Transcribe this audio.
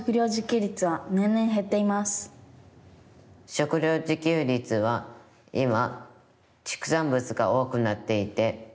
食料自給率は今ちくさんぶつが多くなっていて。